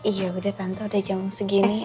iya udah tante udah jam segini